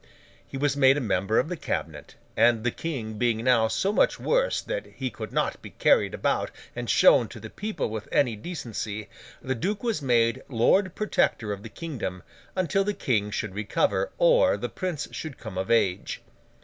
He was made a member of the cabinet, and the King being now so much worse that he could not be carried about and shown to the people with any decency, the duke was made Lord Protector of the kingdom, until the King should recover, or the Prince should come of age.